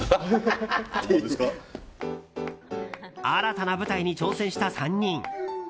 新たな舞台に挑戦した３人。